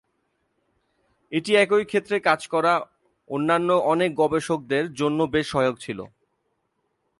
এটি একই ক্ষেত্রে কাজ করা অন্যান্য অনেক গবেষকদের জন্য বেশ সহায়ক ছিল।